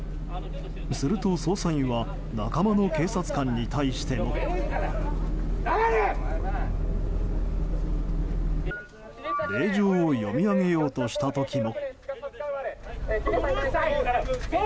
すると捜査員は仲間の警察官らに対しても。令状を読み上げようとした時も。